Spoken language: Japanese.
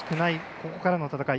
ここからの戦い。